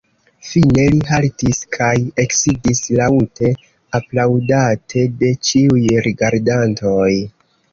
Fine li haltis kaj eksidis, laŭte aplaŭdate de ĉiuj rigardantoj.